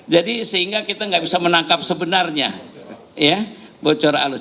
jadi sehingga kita gak bisa menangkap sebenarnya ya bocoran halus